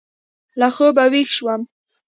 له خوبه وېښ شوم.